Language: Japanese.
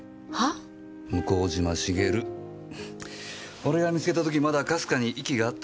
俺が見つけた時まだかすかに息があったんですよ。